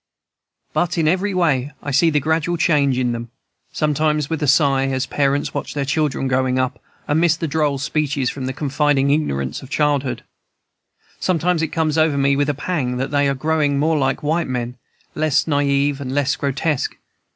"But in every way I see the gradual change in them, sometimes with a sigh, as parents watch their children growing up and miss the droll speeches and the confiding ignorance of childhood. Sometimes it comes over me with a pang that they are growing more like white men, less naive and less grotesque.